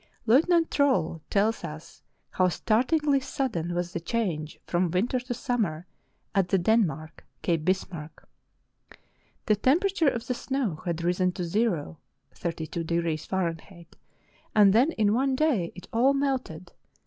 Lieutenant Trolle tells us how startlingly sudden was the change from winter to summer at the Dan mark, Cape Bismarck. The temperature of the snow had risen to zero (32° Fahrenheit), and then in one day it all melted.